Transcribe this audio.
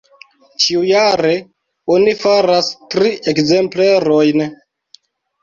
Ĉiujare oni faras tri ekzemplerojn.